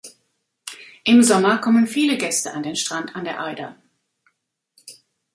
Im Sommer kommen viele Gäste an den Strand an der Eider.